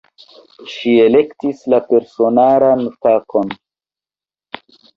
Ŝi elektis la personaran fakon.